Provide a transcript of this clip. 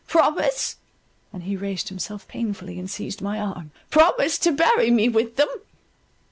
Promise," and he raised himself painfully, and seized my arm, "promise to bury me with them."